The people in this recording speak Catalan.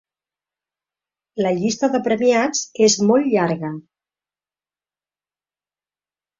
La llista de premiats és molt llarga.